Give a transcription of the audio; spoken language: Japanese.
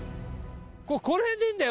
この辺でいいんだよ